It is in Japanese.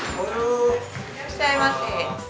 いらっしゃいませ。